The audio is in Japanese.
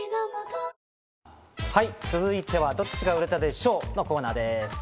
続いては、どっちが売れたでＳＨＯＷ！のコーナーです。